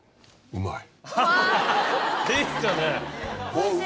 うまい！